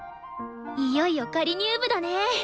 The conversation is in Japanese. いよいよ仮入部だね。